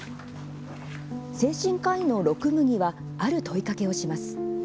精神科医の六麦はある問いかけをします。